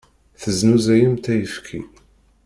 Teznuzayemt ayefki.